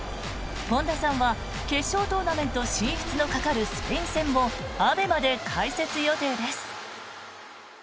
本田さんは決勝トーナメント進出のかかるスペイン戦もＡＢＥＭＡで解説予定です。